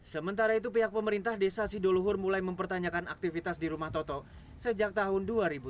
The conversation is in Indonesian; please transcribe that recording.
sementara itu pihak pemerintah desa sidoluhur mulai mempertanyakan aktivitas di rumah toto sejak tahun dua ribu tujuh belas